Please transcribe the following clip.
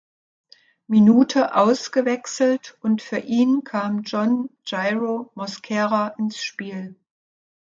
Minute ausgewechselt und für ihn kam John Jairo Mosquera ins Spiel.